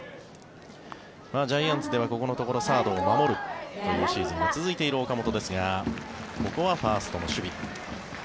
ジャイアンツではここのところサードを守るというシーズンが続いている岡本ですがここはファーストの守備。